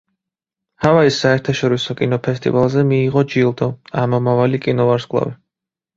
ჰავაის საერთაშორისო კინოფესტივალზე მიიღო ჯილდო „ამომავალი კინოვარსკვლავი“.